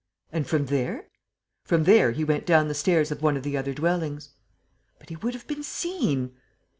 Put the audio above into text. "And from there?" "From there, he went down the stairs of one of the other dwellings." "But he would have been seen!"